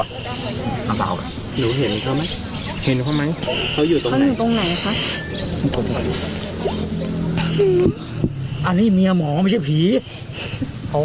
ชุดเดิมเหรอครับ